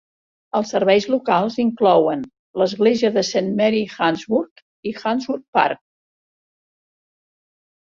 Els serveis locals inclouen: l"església de Saint Mary's, Handsworth i Handsworth Park.